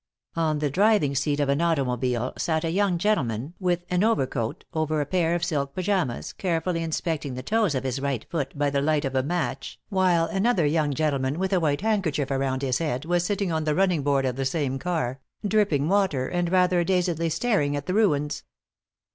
On the driving seat of an automobile sat a young gentleman with an overcoat over a pair of silk pajamas, carefully inspecting the toes of his right foot by the light of a match, while another young gentleman with a white handkerchief around his head was sitting on the running board of the same car, dripping water and rather dazedly staring at the ruins.